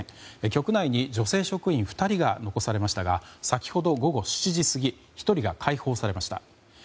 局内に女性職員２人が残されましたが先ほど午後７時過ぎ１人が解放されました。